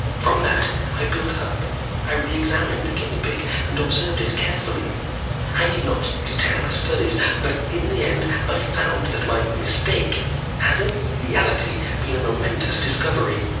"From that I built up. I re examined the guinea pig, and observed it carefully. I need not detail my studies. But in the end I found that my 'mistake' had in reality been a momentous discovery.